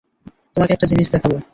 তোমাকে একটা জিনিস দেখাবো।